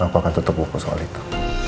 aku akan tetap buku soal itu